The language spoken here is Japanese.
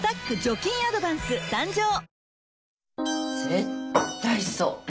絶対そう。